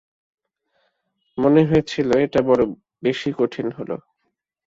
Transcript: মনে হয়েছিল, এটা বড়ো বেশি কঠিন হল।